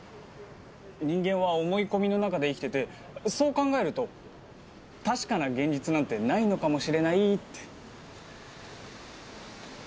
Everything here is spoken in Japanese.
人間は思い込みの中で生きててそう考えると確かな現実なんてないのかもしれないって。